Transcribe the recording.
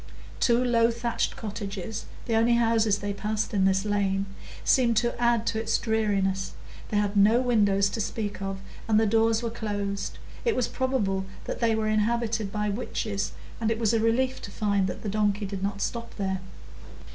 Two low thatched cottages—the only houses they passed in this lane—seemed to add to its dreariness; they had no windows to speak of, and the doors were closed; it was probable that they were inhabitated by witches, and it was a relief to find that the donkey did not stop there.